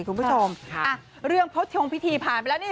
คุณผู้ชมเรื่องพดชงพิธีผ่านไปแล้วนี่